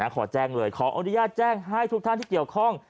ขอแจ้งเลยขออนุญาตแจ้งให้ทุกท่านที่เกี่ยวข้อง